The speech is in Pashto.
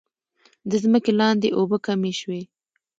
د ځمکې لاندې اوبه کمې شوي؟